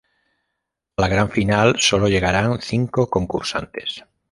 A la gran final sólo llegarán cinco concursantes.